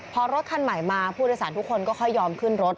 พอรถคันใหม่มาผู้โดยสารทุกคนก็ค่อยยอมขึ้นรถ